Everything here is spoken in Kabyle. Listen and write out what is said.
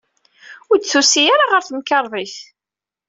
Ur d-tusi ara ɣer temkarḍit.